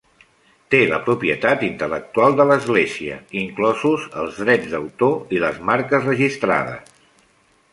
Té la propietat intel·lectual de l'església, inclosos els drets d'autor i les marques registrades.